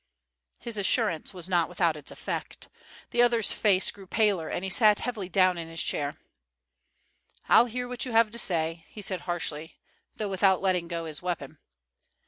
His assurance was not without its effect. The other's face grew paler and he sat heavily down in his chair. "I'll hear what you have to say," he said harshly, though without letting go his weapon.